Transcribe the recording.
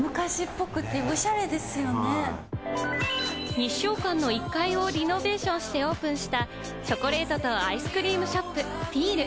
日証館の１階をリノベーションしてオープンした、チョコレートとアイスクリームショップ・ｔｅａｌ。